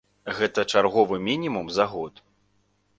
Гэта чарговы мінімум за год.